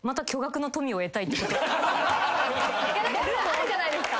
あるじゃないですか。